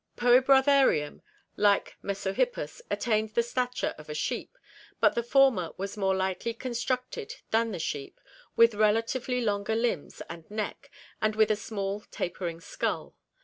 Poebrotherium, like Mesohippus, attained the stature of a sheep, but the former was more lightly constructed than the sheep, with relatively longer limbs and neck and with a small tapering skull.